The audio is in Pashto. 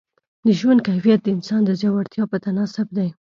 د ژوند کیفیت د انسان د زړورتیا په تناسب دی.